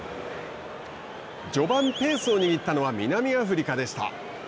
序盤ペースを握ったのは南アフリカです。